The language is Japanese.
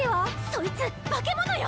そいつ化け物よ。